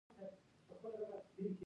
د تولید لپاره لږ کاري ځواک پېرل کېږي